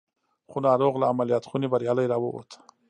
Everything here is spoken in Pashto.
خو ناروغ له عمليات خونې بريالي را ووت.